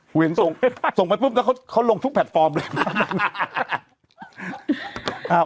เห็นส่งไปปุ๊บแล้วเขาลงทุกแพลตฟอร์มเลย